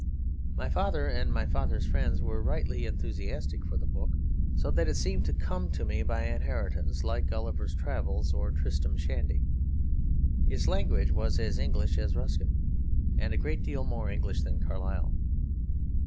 My father and my father's friends were rightly enthusiastic for the book; so that it seemed to come to me by inheritance like Gulliver's Travels or Tristram Shandy. Its language was as English as Ruskin, and a great deal more English than Carlyle.